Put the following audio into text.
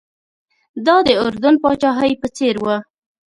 دا د اردن پاچاهۍ په څېر و.